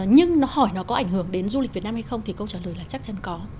nhưng nó hỏi nó có ảnh hưởng đến du lịch việt nam hay không thì câu trả lời là chắc chắn có